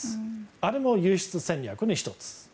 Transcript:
あれも輸出戦略の１つ。